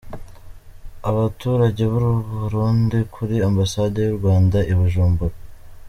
Abaturage b’u Burundi kuri Ambasade y’u Rwanda i Bujumbura